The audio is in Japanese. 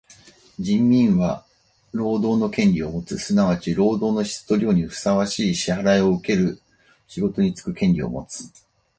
人民は労働の権利をもつ。すなわち労働の質と量にふさわしい支払をうける仕事につく権利をもつ。